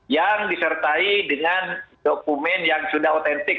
yang disertai dengan dokumen yang sudah otentik